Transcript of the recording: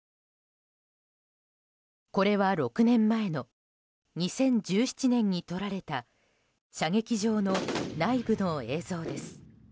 これは６年前の２０１７年に撮られた射撃場の内部の映像です。